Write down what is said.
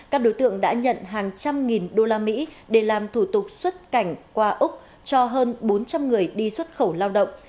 các đối tượng đã nhận hàng trăm nghìn đô la mỹ để làm thủ tục xuất cảnh qua úc cho hơn bốn trăm linh người đi xuất khẩu lao động